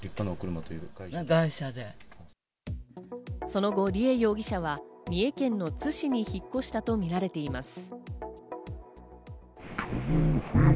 その後、梨恵容疑者は三重県の津市に引っ越したとみられています。